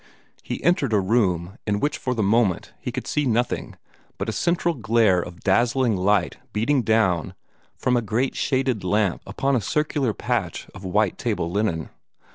He entered a room in which for the moment he could see nothing but a central glare of dazzling light beating down from a great shaded lamp upon a circular patch of white table linen.